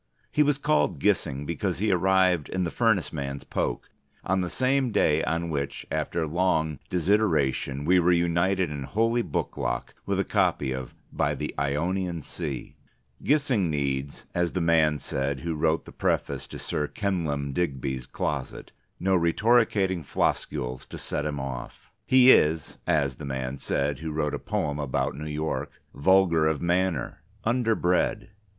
He was called Gissing because he arrived, in the furnace man's poke, on the same day on which, after long desideration, we were united in holy booklock with a copy of "By the Ionian Sea." Gissing needs (as the man said who wrote the preface to Sir Kenelm Digby's Closet) no Rhetoricating Floscules to set him off. He is (as the man said who wrote a poem about New York) vulgar of manner, underbred.